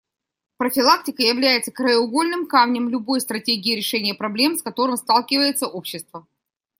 Профилактика является краеугольным камнем любой стратегии решения проблем, с которыми сталкивается общество.